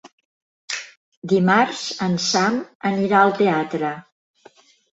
Dimarts en Sam anirà al teatre.